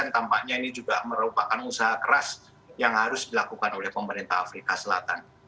tampaknya ini juga merupakan usaha keras yang harus dilakukan oleh pemerintah afrika selatan